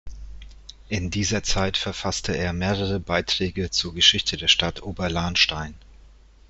In dieser Zeit verfasste er mehrere Beiträge zur Geschichte der Stadt Oberlahnstein.